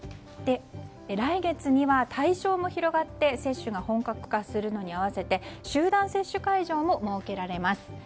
来月には対象も広がって接種が本格化するのに合わせて集団接種会場も設けられます。